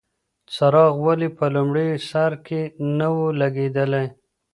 څراغ ولې په لومړي سر کې نه و لګېدلی؟